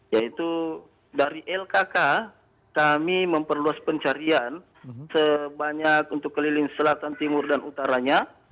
yaitu dari lkk kami memperluas pencarian sebanyak untuk keliling selatan timur dan utaranya